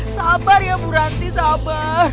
sabar ya bu ranti sabar